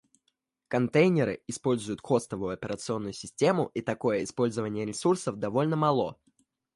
Контейнеры используют хостовую операционную систему и такое использование ресурсов довольно мало